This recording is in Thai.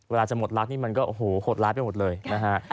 เวลาจะหมดรักนี่มันก็โหดร้ายไปหมดเลยนะฮะ